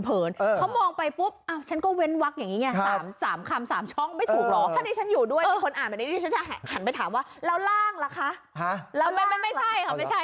เขามองไปปุ๊บอ้าวฉันก็เว้นวักย์อย่างนี้ไง